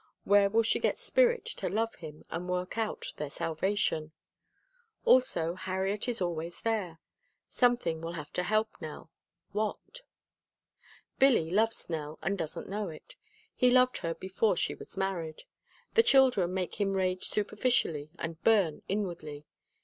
Where will she get spirit to love him and work out their salvation? Also Harriet is always there. Something will have to help Nell. What? Billy loves Nell and doesn't know it. He loved her before she was married. The children make him rage superficially and burn inwardly.